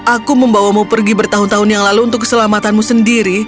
aku membawamu pergi bertahun tahun yang lalu untuk keselamatanmu sendiri